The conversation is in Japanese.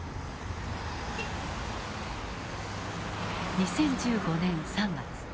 ２０１５年３月。